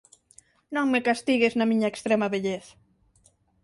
Non me castigues na miña extrema vellez.